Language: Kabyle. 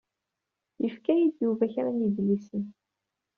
Yefka-yi-d Yuba kra n yidlisen.